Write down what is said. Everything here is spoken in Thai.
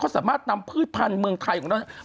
เขาสามารถนำพืชพันธุ์เมืองไทยของตัวเนี่ย